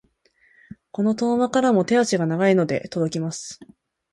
この遠間からも手足が長いので届きます。